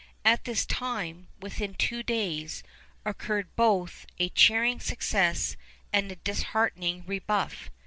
At this time, within two days, occurred both a cheering success and a disheartening rebuff.